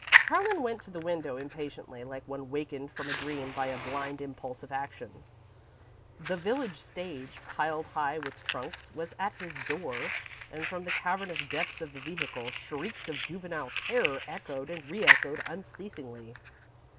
Harlan went to the window impatiently, like one wakened from a dream by a blind impulse of action. The village stage, piled high with trunks, was at his door, and from the cavernous depths of the vehicle, shrieks of juvenile terror echoed and re echoed unceasingly.